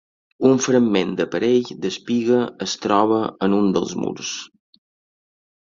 Un fragment d'aparell d'espiga es troba en un dels murs.